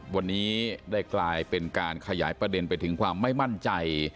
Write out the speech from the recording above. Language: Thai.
วันนี้ได้กลายเป็นการขยายประเด็นไปถึงความไม่มั่นใจ